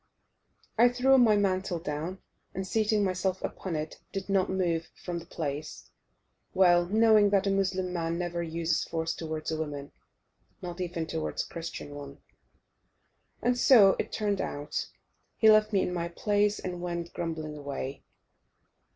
I threw my mantle down, and seating myself upon it, did not move from the place, well knowing that a Mussulman never uses force towards a woman, not even towards a Christian one. And so it turned out; he left me in my place and went grumbling away.